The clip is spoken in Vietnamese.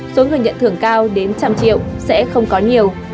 số người nhận thưởng cao đến trăm triệu sẽ không có nhiều